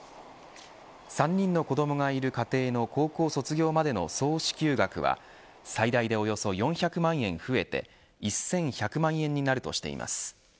３人の子どもがいる家庭の高校卒業までの総支給額は最大でおよそ４００万円増えて１１００万円になるとしています。